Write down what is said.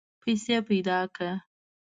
پیسې پیدا کړه.